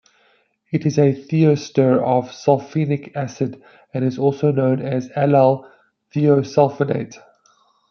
It is a thioester of sulfenic acid and is also known as allyl thiosulfinate.